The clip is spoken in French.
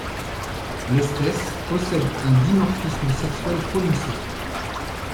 L'espèce possède un dimorphisme sexuel prononcé.